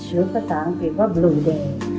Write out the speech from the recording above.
หรือภาษาอังกฤษว่าบลูเด